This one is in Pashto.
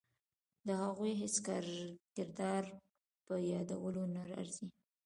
د هغوی هیڅ کردار په یادولو نه ارزي.